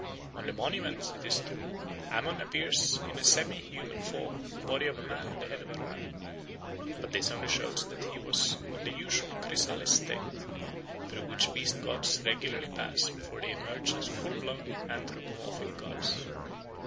On the monuments, it is true, Ammon appears in semi human form with the body of a man and the head of a ram. But this only shows that he was in the usual chrysalis state through which beast gods regularly pass before they emerge as full blown anthropomorphic gods.